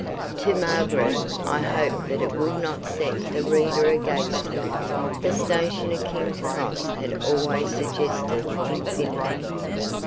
To Margaret I hope that it will not set the reader against her the station of King's Cross had always suggested Infinity.